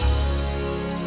anda g sustr terpeda